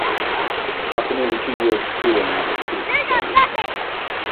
After nearly two years of touring, the group disbanded.